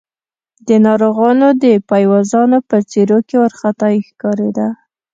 د ناروغانو د پيوازانو په څېرو کې وارخطايي ښکارېده.